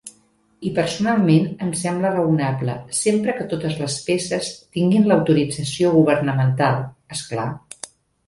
I personalment em sembla raonable, sempre que totes les peces tinguin l'autorització governamental, esclar.